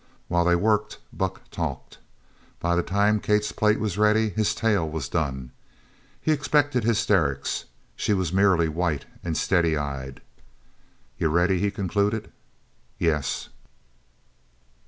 While they worked Buck talked. By the time Kate's plate was ready his tale was done. He expected hysterics. She was merely white and steady eyed. "You're ready?" he concluded. "Yes."